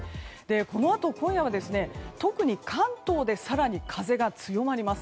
このあと今夜は、特に関東で更に風が強まります。